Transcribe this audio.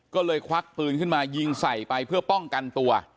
ก็เลยควักปืนขึ้นมายิงใส่ไปเพื่อป้องกันตัว